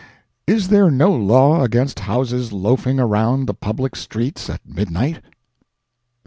Is there no law against houses loafing around the public streets at midnight?